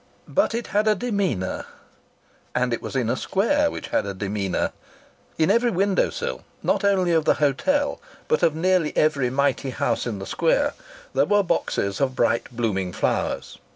But it had a demeanour ... and it was in a square which had a demeanour.... In every window sill not only of the hotel, but of nearly every mighty house in the Square there were boxes of bright blooming flowers.